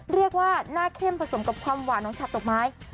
เรียกว่าหน้าเข้มผสมกับความหวานของชาตอกไม้